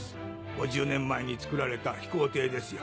５０年前に造られた飛行艇ですよ。